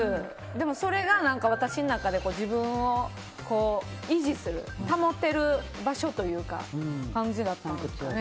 でも、それが私にとって自分を維持する、保てる場所という感じだったんですかね。